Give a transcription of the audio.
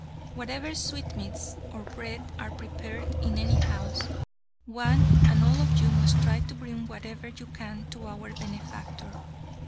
"Whatever sweetmeats or bread are prepared in any house, one and all of you must try to bring whatever you can to our benefactor.